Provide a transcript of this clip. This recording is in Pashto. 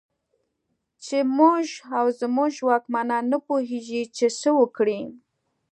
چې موږ او زموږ واکمنان نه پوهېږي چې څه وکړي.